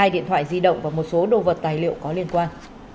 hai điện thoại di động và một số đồ vật tài liệu có liên quan